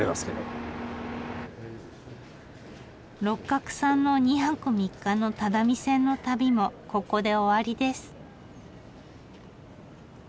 六角さんの２泊３日の只見線の旅もここで終わりです。